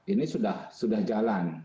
ini sudah jalan